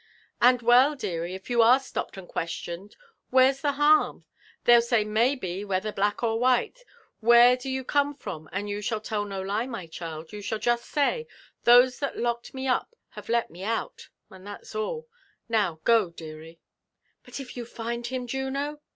''And well, deary, if you are stopped and questioned, where'sthe harm? They'll say maybe, whether black or white, * Where do you come from?' and you shall tell no lie, my child, — you shall just say, ' Those that locked me up have let me out'— and that's all. Now go, deary.*' But if you find him, Juno?"